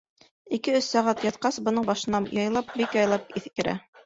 Ике-өс сәғәт ятҡас, бының башына яйлап, бик яйлап, иҫ керә.